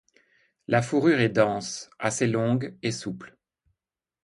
La fourrure est dense, assez longue et souple.